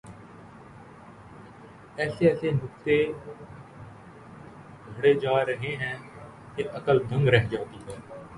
ایسے ایسے نکتے گھڑے جا رہے ہیں کہ عقل دنگ رہ جاتی ہے۔